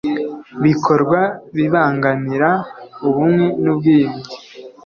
bikorwa bibangamira ubumwe n ubwiyunge